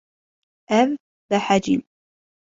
Ew behecîn.